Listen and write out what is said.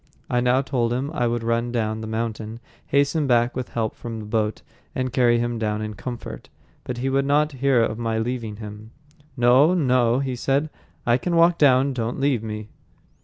I now told him I would run down the mountain, hasten back with help from the boat, and carry him down in comfort. But he would not hear of my leaving him. "No, no," he said, "I can walk down. Don't leave me."